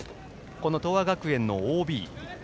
この東亜学園のＯＢ。